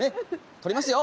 撮りますよ。